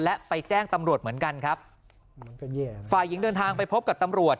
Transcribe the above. และไปแจ้งตำรวจเหมือนกันครับฝ่ายหญิงเดินทางไปพบกับตำรวจ